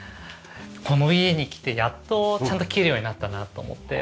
この家に来てやっとちゃんと聴けるようになったなと思って。